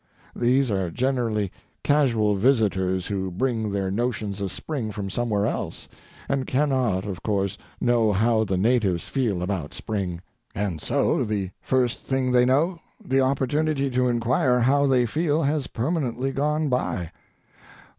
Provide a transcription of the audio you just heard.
These are generally casual visitors, who bring their notions of spring from somewhere else, and cannot, of course, know how the natives feel about spring. And so the first thing they know the opportunity to inquire how they feel has permanently gone by.